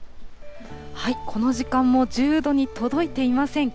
この時間も１０度に届いていません。